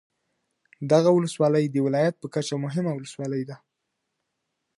دغه ولسوالي د ولایت په کچه مهمه ولسوالي ده.